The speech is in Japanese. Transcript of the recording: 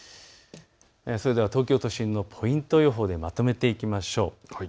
それでは東京都心のポイント予報でまとめていきましょう。